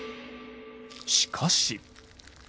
しかし。